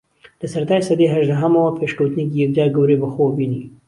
لە سەرەتای سەدەی ھەژدەھەمەوە پێشکەوتنێکی یەکجار گەورەی بەخۆوە بینی